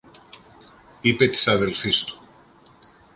είπε της αδελφής του.